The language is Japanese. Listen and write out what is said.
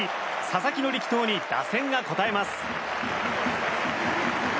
佐々木の力投に打線が応えます。